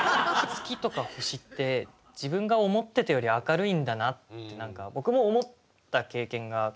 月とか星って自分が思ってたより明るいんだなって何か僕も思った経験が過去にあるんで。